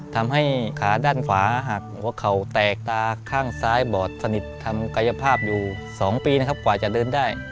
ทำให้ขาด้านขวาหักหัวเข่าแตกตาข้างซ้ายบอดสนิททำกายภาพอยู่๒ปีนะครับกว่าจะเดินได้